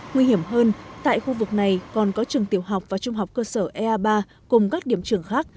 nguy hiểm hơn tại khu vực này còn có trường tiểu học và trung học cơ sở ea ba cùng các điểm trường khác